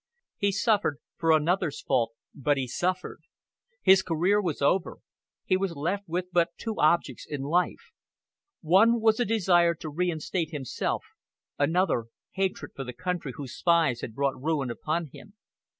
"He suffered for another's fault, but he suffered. His career was over, he was left with but two objects in life. One was a desire to reinstate himself; another, hatred for the country whose spies had brought ruin upon him.